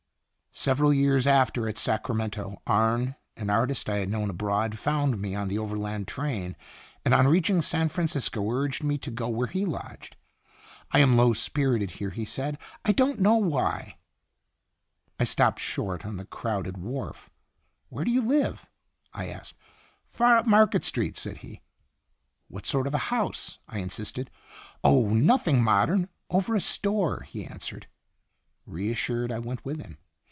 Several years after, at Sacramento, Arne, an artist I had known abroad, found me on the overland train, and on reaching San Francisco urged me to go where he lodged. " I am low spirited here," he said; " I don't know why." Itinerant ijjonse. 21 I stopped short on the crowded wharf. "Where do you live?" I asked. " Far up Market Street/' said he*. " What sort of a house?" I insisted. " Oh nothing modern over a store," he answered. Reassured, I went with him.